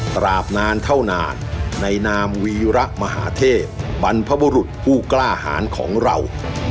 กราบนานเท่านานในนามวีระมหาเทพบรรพบุรุษผู้กล้าหารของเรา